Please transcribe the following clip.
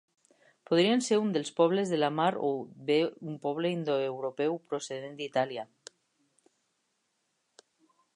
Podrien ser un dels Pobles de la mar o bé un poble indoeuropeu procedent d'Itàlia.